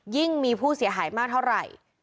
มีผู้เสียหายมากเท่าไหร่